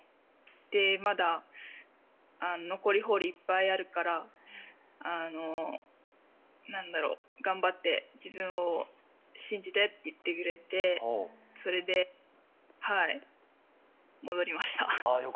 まだ残りホールいっぱいあるから頑張って、自分を信じてって言ってくれてそれで戻りました。